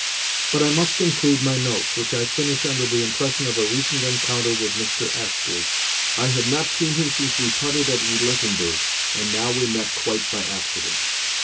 But I must conclude my notes, which I finish under the impression of a recent encounter with Mr. Astley. I had not seen him since we parted at Roulettenberg, and now we met quite by accident.